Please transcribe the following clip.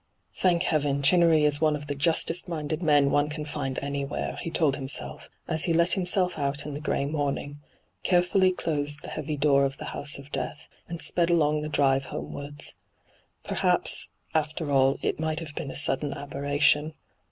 'Thank heaven, Chinnery is one of the justest minded men one can find anywhere I' he told himself, as he let himself out in the grey morning, carefully closed the heavy door of the house of death, and sped along the drive homewards. ' Perhaps, after all, it might have been a sudden aberration.